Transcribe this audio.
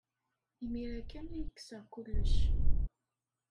Imir-a kan ay kkseɣ kullec.